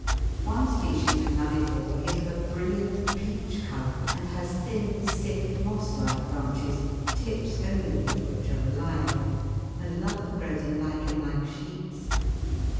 One species of nullipore is of a brilliant peach colour, and has thin, stiff, moss like branches, the tips only of which are alive, and another grows in lichen like sheets.